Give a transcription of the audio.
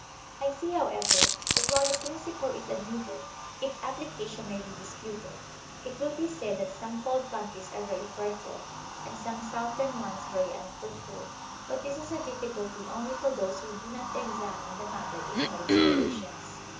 I see, how ever, that while the principle is admitted, its application may be disputed; it will be said that some cold countries are very fertile, and some southern ones very unfruitful. But this is a di£Biculty only for those who do not examine the matter in all its relations.